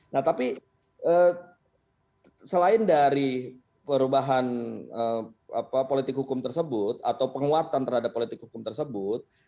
nah tapi selain dari perubahan politik hukum tersebut atau penguatan terhadap politik hukum tersebut